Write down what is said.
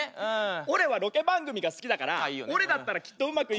俺はロケ番組が好きだから俺だったらきっとうまくいくと思う。